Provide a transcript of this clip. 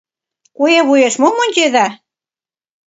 Куэ вуйыш мом ончеда?